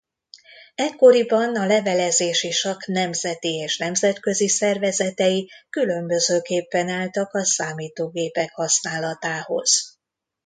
Ekkoriban a levelezési sakk nemzeti és nemzetközi szervezetei különbözőképpen álltak a számítógépek használatához.